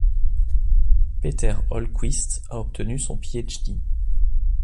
Peter Holquist a obtenu son Ph.D.